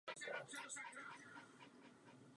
Takový boj je předem prohraný a směšný.